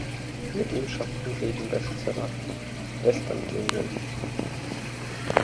Mit ihm schafften sie den Bestseller ""Western Union"".